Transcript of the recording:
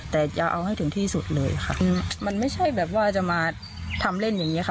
แต่จะเอาให้ถึงที่สุดเลยค่ะมันไม่ใช่แบบว่าจะมาทำเล่นอย่างเงี้ค่ะ